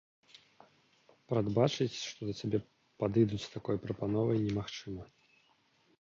Прадбачыць, што да цябе падыдуць з такой прапановай, немагчыма.